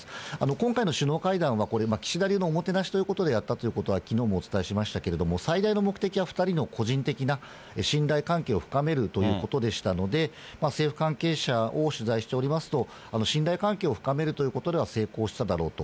今回の首脳会談は、岸田流のおもてなしということでやったということは、きのうもお伝えしましたけれども、最大の目的は２人の個人的な信頼関係を深めるということでしたので、政府関係者を取材しておりますと、信頼関係を深めるということでは成功しただろうと。